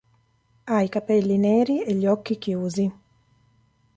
Ha i capelli neri e gli occhi chiusi.